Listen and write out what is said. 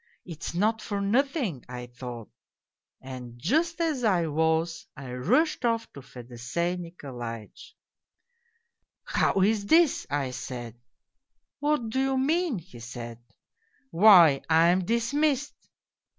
' It's not for nothing,' I thought. And just as I was I rushed off to Fedosey Nikolaitch. "' How is this ?' I said. "' What do you mean ?' he said. 222 POLZUNKOV "' Why, I am dismissed.'